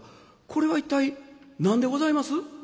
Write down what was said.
これは一体何でございます？」。